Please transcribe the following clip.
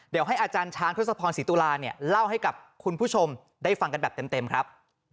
เดี๋ยวให้อาจารย์ช้างทศพรศรีตุลาเนี่ยเล่าให้กับคุณผู้ชมได้ฟังกันแบบเต็มครับ